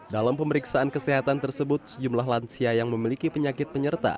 dalam pemeriksaan kesehatan tersebut sejumlah lansia yang memiliki penyakit penyerta